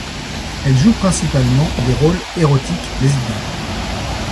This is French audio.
Elle joue principalement des rôles érotiques lesbiens.